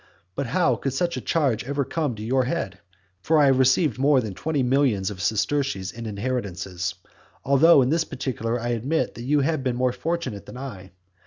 But how could such a charge ever come into your head? For I have received more than twenty millions of sesterces in inheritances. Although in this particular I admit that you have been more fortunate than I.